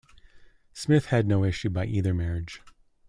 Smith had no issue by either marriage.